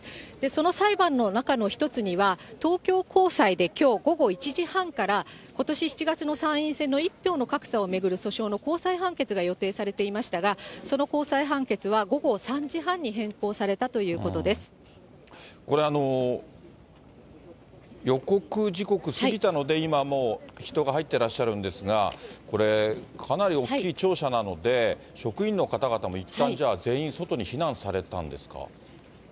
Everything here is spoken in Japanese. その裁判の中の１つには、東京高裁できょう午後１時半から、ことし７月の参院選の１票の格差を巡る訴訟の高裁判決が予定されていましたが、その高裁判決は午後３時半に変更されたということこれ、予告時刻過ぎたので、今もう、人が入ってらっしゃるんですが、これ、かなり大きい庁舎なので、職員の方々もいったん、じゃあ、全員、外に避難されたんですか。